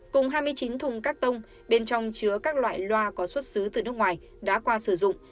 cùng hai mươi chín thùng các tông bên trong chứa các loại loa có xuất xứ từ nước ngoài đã qua sử dụng